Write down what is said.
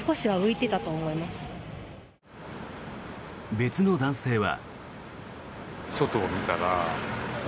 別の男性は。